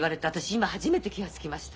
今初めて気が付きました。